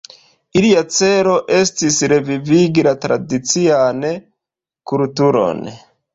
Ilia celo estis revivigi la tradician kulturon.